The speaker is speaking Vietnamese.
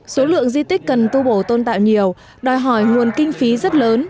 số lượng di tích cần tu bổ tôn tạo nhiều đòi hỏi nguồn kinh phí rất lớn